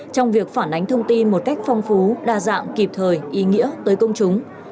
trong việc phản ánh thông tin một cách phong phú đa dạng kịp thời ý nghĩa tới công chúng